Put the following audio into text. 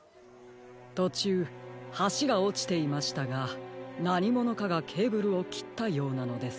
とちゅうはしがおちていましたがなにものかがケーブルをきったようなのです。